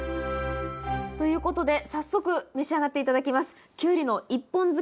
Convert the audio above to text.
ということで早速召し上がって頂きます。